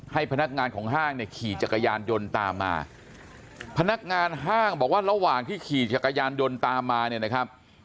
พนักงานของห้างเนี่ยขี่จักรยานยนต์ตามมาพนักงานห้างบอกว่าระหว่างที่ขี่จักรยานยนต์ตามมาเนี่ยนะครับ